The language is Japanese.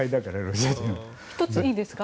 １ついいですか。